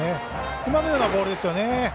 今のようなボールですよね。